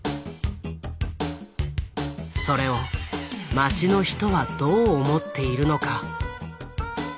それを街の人はどう思っているのか。